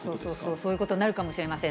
そういうことになるかもしれません。